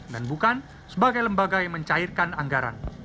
dan bukan sebagai lembaga yang mencairkan anggaran